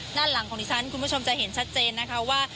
ด้านหลังของดิฉันคุณผู้ชมจะเห็นชัดเจนนะคะว่า